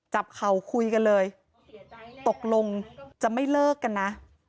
เข่าคุยกันเลยตกลงจะไม่เลิกกันนะ